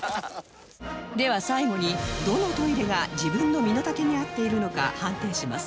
では最後にどのトイレが自分の身の丈に合っているのか判定します